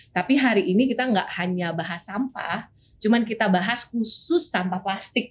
tapi hari ini kita nggak hanya bahas sampah cuma kita bahas khusus sampah plastik